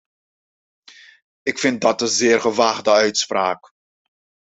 Ik vind dat een zeer gewaagde uitspraak.